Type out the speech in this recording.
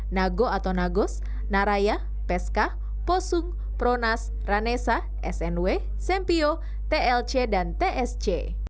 nago atau nagos naraya peska posung pronas ranesa snw sempio tlc dan tsc